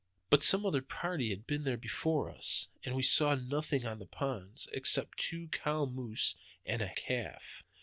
"But some other party had been there before us, and we saw nothing on the ponds, except two cow moose and a calf.